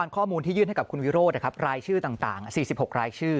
ข้อมูลที่ยื่นให้กับคุณวิโรธรายชื่อต่าง๔๖รายชื่อ